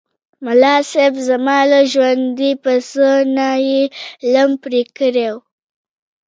ملاصاحب! زما له ژوندي پسه نه یې لم پرې کړی و.